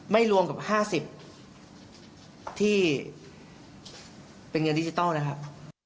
รวมกับ๕๐ที่เป็นเงินดิจิทัลนะครับ